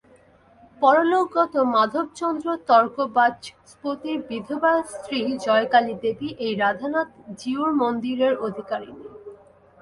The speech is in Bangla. পরলোকগত মাধবচন্দ্র তর্কবাচস্পতির বিধবা স্ত্রী জয়কালী দেবী এই রাধানাথ জীউর মন্দিরের অধিকারিণী।